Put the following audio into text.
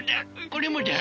これもだ！